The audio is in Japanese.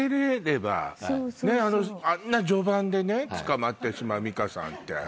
あんな序盤でね捕まってしまう美香さんって。